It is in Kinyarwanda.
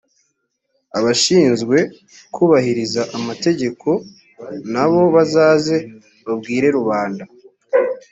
abashinzwe kubahiriza amategeko na bo bazaze babwire rubanda